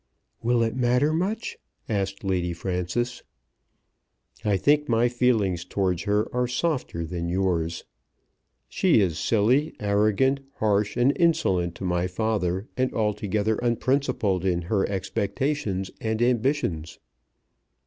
"Will it matter much?" asked Lady Frances. "I think my feelings towards her are softer than yours. She is silly, arrogant, harsh, and insolent to my father, and altogether unprincipled in her expectations and ambitions."